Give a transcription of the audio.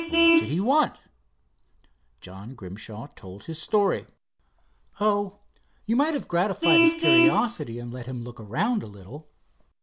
"What did he want?" John Grimshaw told his story. "Oh, you might have gratified his curiosity and let him look around a little."